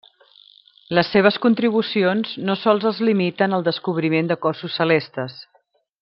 Les seves contribucions no sols es limiten al descobriment de cossos celestes.